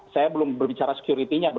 saya belum berbicara sekuritinya